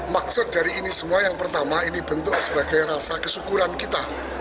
maksud dari ini semua yang pertama ini bentuk sebagai rasa kesyukuran kita